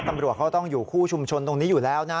ตำรวจเขาต้องอยู่คู่ชุมชนตรงนี้อยู่แล้วนะ